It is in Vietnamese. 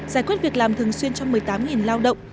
giải quyết việc làm thường xuyên cho một mươi tám lao động